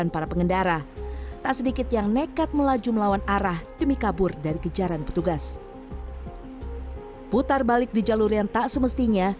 putar balik di jalur yang tak semestinya